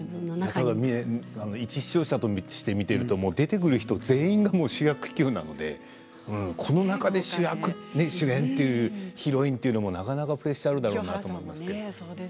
ただ、一視聴者として見ていると出てくる人全員が主役級だからこの中で主演、ヒロインというのもプレッシャーだろうなと思います。